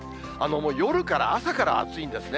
夜から、朝から暑いんですね。